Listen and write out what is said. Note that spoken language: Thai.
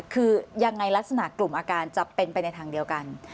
คือยังไงลักษณะกลุ่มอาการจะเป็นไปในทางเดียวกัน